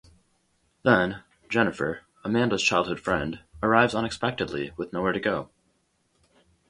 Then, Jennifer, Amanda's childhood friend, arrives unexpectedly with nowhere to go.